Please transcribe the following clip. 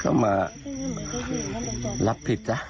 พ่อบอกว่าจริงแล้วก็เป็นยาดกันด้วย